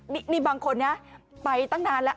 นี่บางคนนะไปตั้งนานแล้ว